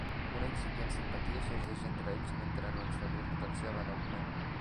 Una incipient simpatia sorgeix entre ells mentre en l'exterior la tensió va en augment.